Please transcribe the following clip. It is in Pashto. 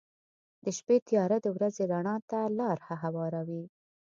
• د شپې تیاره د ورځې رڼا ته لاره هواروي.